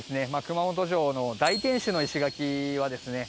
熊本城の大天守の石垣はですね